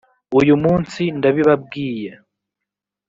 uyu munsi ndabibabwiye,